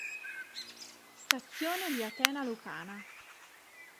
Stazione di Atena Lucana